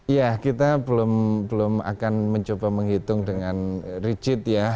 ya kita belum akan mencoba menghitung dengan rigid ya